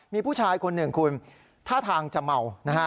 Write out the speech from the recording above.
มีผู้ชายคนหนึ่งคุณท่าทางจะเมานะฮะ